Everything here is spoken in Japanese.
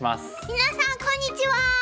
皆さんこんにちは！